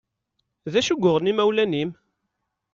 D acu i yuɣen imawlan-im?